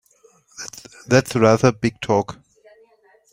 That's rather big talk!